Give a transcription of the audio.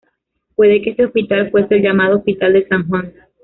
Puede que este hospital fuese el llamado Hospital de San Juan.